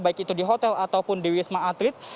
baik itu di hotel ataupun di wisma atlet